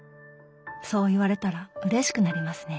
そう言われたらうれしくなりますね。